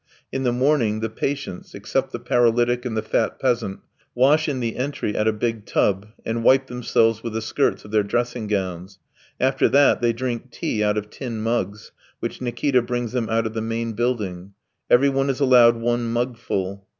In the morning the patients, except the paralytic and the fat peasant, wash in the entry at a big tab and wipe themselves with the skirts of their dressing gowns; after that they drink tea out of tin mugs which Nikita brings them out of the main building. Everyone is allowed one mugful.